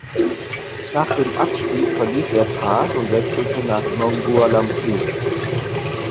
Nach dem Abstieg verließ er Trat und wechselte nach Nong Bua Lamphu.